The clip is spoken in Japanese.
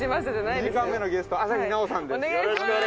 ２時間目のゲスト朝日奈央さんです